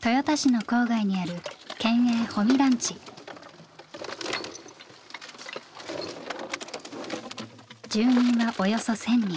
豊田市の郊外にある住民はおよそ１，０００人。